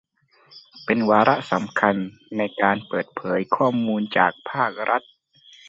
เป็นวาระสำคัญในการเปิดเผยข้อมูลจากภาครัฐ